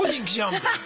みたいな。